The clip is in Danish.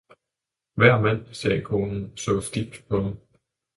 Hver mand? sagde konen og så stift på ham.